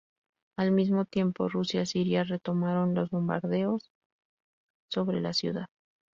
Al mismo tiempo, Rusia y Siria retomaron los bombardeos sobre la ciudad.